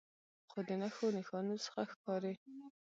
خو د نښو نښانو څخه ښکارې